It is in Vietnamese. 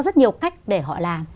rất nhiều cách để họ làm